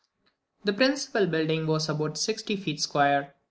The principal building was about sixty feet square.